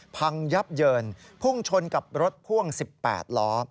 พังยับเยินพุ่งชนกับรถพ่วง๑๘ล้อ